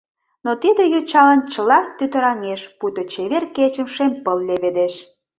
Но тиде йочалан чыла тӱтыраҥеш, пуйто чевер кечым шем пыл леведеш.